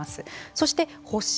そして、発疹。